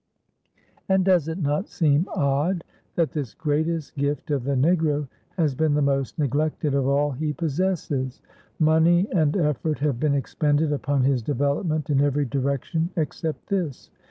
And does it not seem odd that this greatest gift of the Negro has been the most neglected of all he possesses? Money and effort have been expended upon his development in every direction except this.